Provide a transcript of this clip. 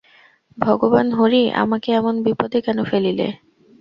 ভগবান হরি, আমাকে এমন বিপদে কেন ফেলিলে।